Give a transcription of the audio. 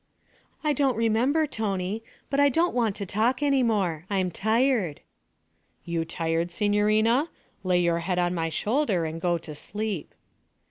'I don't remember, Tony, but I don't want to talk any more; I'm tired.' 'You tired, signorina? Lay your head on my shoulder and go to sleep.'